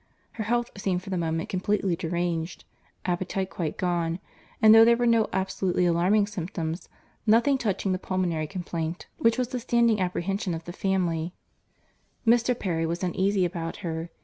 Her health seemed for the moment completely deranged—appetite quite gone—and though there were no absolutely alarming symptoms, nothing touching the pulmonary complaint, which was the standing apprehension of the family, Mr. Perry was uneasy about her.